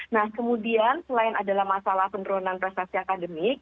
nah kemudian selain adalah masalah penurunan prestasi akademik